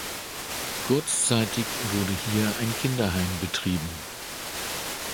Kurzzeitig wurde hier ein Kinderheim betrieben.